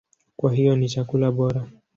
Kwa hiyo ni chakula bora.